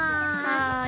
はい。